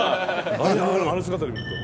あの姿で見ると。